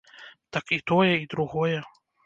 Так, і тое, і другое.